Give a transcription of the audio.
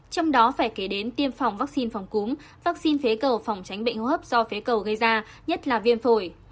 trong đó phải kể đến tiêm phòng vaccine phòng cúm vaccine phế cầu phòng tránh bệnh hô hấp do phế cầu gây ra nhất là viêm phổi